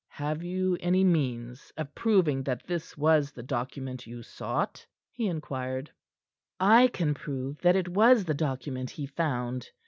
"Have you any means of proving that this was the document you sought?" he inquired. "I can prove that it was the document he found."